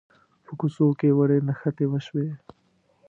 کوڅو کې وړې نښتې وشوې.